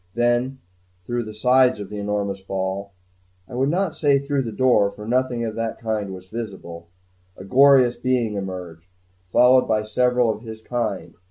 Then through the sides of the enormous ball I would not say, through the door, for nothing of the kind was visible a glorious being emerged, followed by several of his kind.